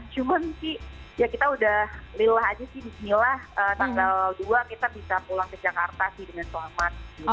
cuman sih ya kita udah lillah aja sih bismillah tanggal dua kita bisa pulang ke jakarta sih dengan selamat